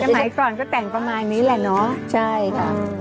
แต่ไหมตอนก็แต่งประมาณนี้แหละเนาะใช่ค่ะ